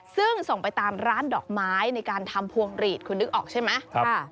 ซึ่งส่งไปตามร้านดอกไม้ในการทำพวงหลีดคุณนึกออกใช่ไหม